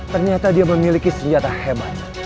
ternyata dia memiliki senjata hemat